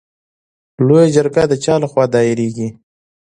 لویه جرګه د چا له خوا دایریږي؟